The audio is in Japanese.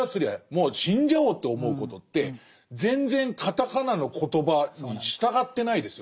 もう死んじゃおうと思うことって全然カタカナのコトバに従ってないですよね。